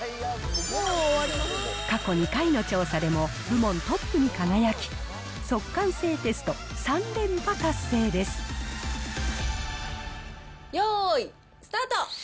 過去２回の調査でも、部門トップに輝き、よーいスタート。